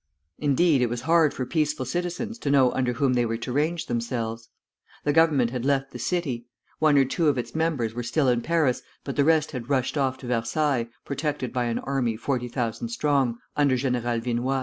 Indeed, it was hard for peaceful citizens to know under whom they were to range themselves. The Government had left the city. One or two of its members were still in Paris, but the rest had rushed off to Versailles, protected by an army forty thousand strong, under General Vinoy.